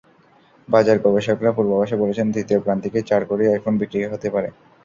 বাজার গবেষকেরা পূর্বাভাসে বলেছিলেন, তৃতীয় প্রান্তিকে চার কোটি আইফোন বিক্রি হতে পারে।